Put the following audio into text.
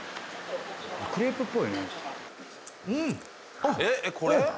クレープっぽいよねうん！